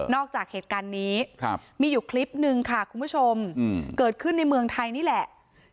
จากเหตุการณ์นี้มีอยู่คลิปนึงค่ะคุณผู้ชมเกิดขึ้นในเมืองไทยนี่แหละ